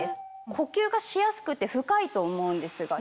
呼吸がしやすくて深いと思うんですが。